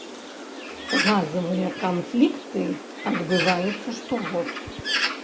Газавыя канфлікты адбываюцца штогод.